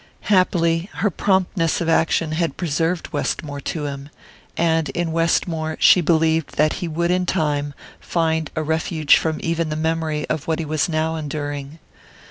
Happily her promptness of action had preserved Westmore to him, and in Westmore she believed that he would in time find a refuge from even the memory of what he was now enduring.